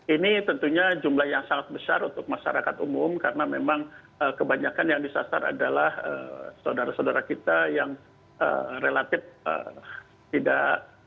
ini tentunya jumlah yang sangat besar untuk masyarakat umum karena memang kebanyakan yang disasar adalah saudara saudara kita yang relatif tidak